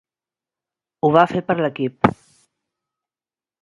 Ho va fer per l'equip.